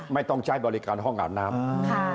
ไม่ต้องใช้บริการห้องอาบน้ำ